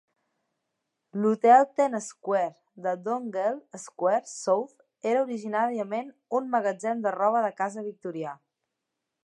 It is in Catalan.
L'hotel Ten Square de Donegall Square South era originàriament un magatzem de roba de casa victorià.